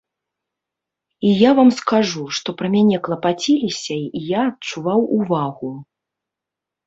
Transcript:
І я вам скажу, што пра мяне клапаціліся і я адчуваў увагу.